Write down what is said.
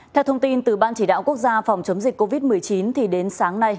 theo thông tin từ ban chỉ đạo quốc gia phòng chống dịch covid một mươi chín đến sáng nay